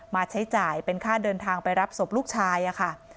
ใช้จ่ายเป็นค่าเดินทางไปรับศพลูกชายค่ะ